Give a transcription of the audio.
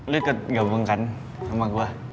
lo ketemu kan sama gue